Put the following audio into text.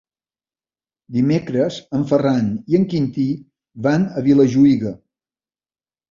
Dimecres en Ferran i en Quintí van a Vilajuïga.